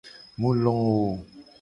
Mu lo wo.